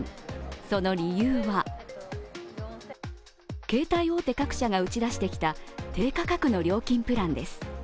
その理由は携帯大手各社が打ち出してきた低価格の料金プランです。